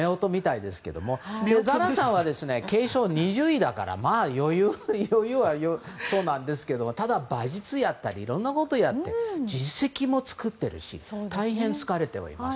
ザラさんは継承２０位だからまあ余裕は余裕なんですけどただ馬術やったりいろんなことやって実績も作っているし大変好かれております。